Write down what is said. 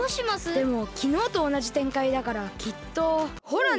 でもきのうとおなじてんかいだからきっとほらね。